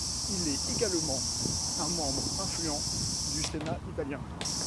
Il est également un membre influent du Sénat italien.